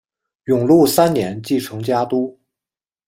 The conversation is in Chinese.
永禄三年继承家督。